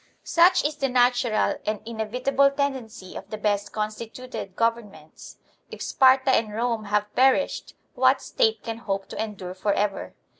Such is the natural and inevitable tendency of the best constituted governments. If Sparta and Rome have per ished, what State can hope to endure for ever?